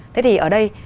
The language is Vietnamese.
thế thì ở đây